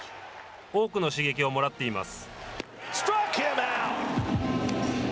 多くの刺激をもらっています。